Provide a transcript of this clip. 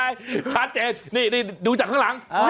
ชัดเจนนี่ดูจากข้างหลัง